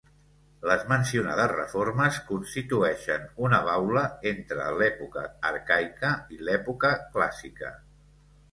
Les mencionades reformes constitueixen una baula entre l'època arcaica i l'època clàssica.